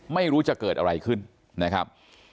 ไม่รู้จะเกิดอะไรขึ้นนะครับ